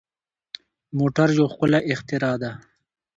موټر یو ښکلی اختراع ده.